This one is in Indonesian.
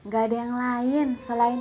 gak ada yang lain selain